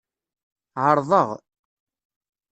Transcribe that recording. Ɛeṛḍeɣ.